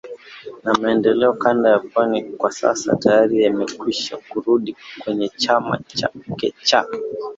na maendeleo kanda ya Pwani Kwa sasa tayari amekwisha kurudi kwenye chama chake cha